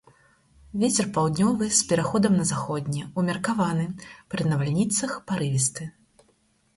Вецер паўднёвы з пераходам на заходні, умеркаваны, пры навальніцах парывісты.